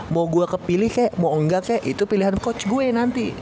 mau gue kepilih kek mau enggak kek itu pilihan coach gue nanti